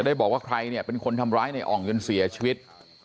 ได้บอกว่าใครเป็นคนทำร้ายในอ่องย้อนเสียชีวิต